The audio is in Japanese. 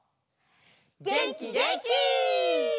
げんきげんき！